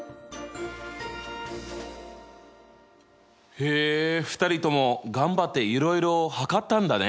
へえ２人とも頑張っていろいろ測ったんだね。